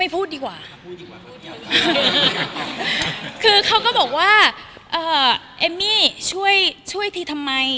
ไม่พูดดีกว่าคือเขาก็บอกว่าเอ็มมี่ช่วยที่ทำไม